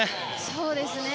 そうですね。